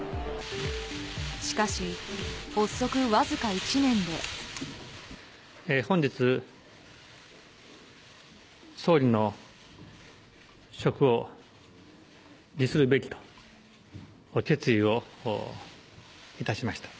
しかし、本日、総理の職を辞するべきと、決意をいたしました。